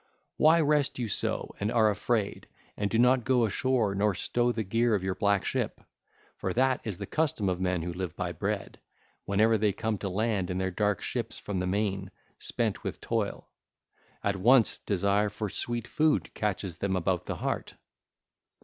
Why rest you so and are afraid, and do not go ashore nor stow the gear of your black ship? For that is the custom of men who live by bread, whenever they come to land in their dark ships from the main, spent with toil; at once desire for sweet food catches them about the heart.